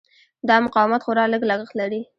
دا مقاومت خورا لږ لګښت لري.